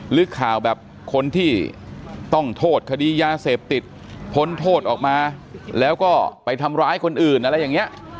หรือข่าวแบบคนที่ต้องโทษคดียาเสพติดพ้นโทษออกมาแล้วก็ไปทำร้ายคนอื่นอะไรอย่างนี้